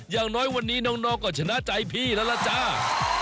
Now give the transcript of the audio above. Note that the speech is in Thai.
อย่างน้อยวันนี้น้องก็ชนะใจพี่แล้วล่ะจ้า